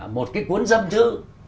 một cái cuốn dâm chứ